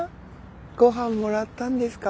ごはんもらったんですか？